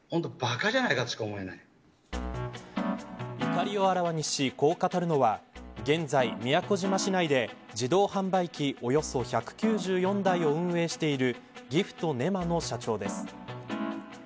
怒りをあらわにしこう語るのは現在、宮古島市内で自動販売機およそ１９４台を運営しているギフトねまの社長です。